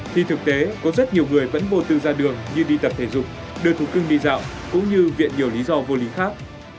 thì thực tế có rất nhiều người vẫn vô tư ra đường như đi tập thể dục đưa thú cưng đi dạo cũng như viện nhiều lý do vô lý khác